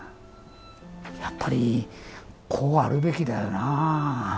やっぱりこうあるべきだよなぁ。